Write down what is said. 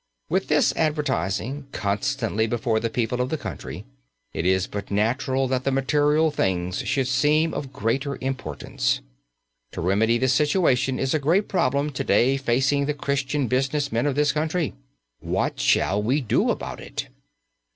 With this advertising constantly before the people of the country, it is but natural that the material things should seem of greatest importance. To remedy this situation is a great problem to day facing the Christian business men of this country. What shall we do about it?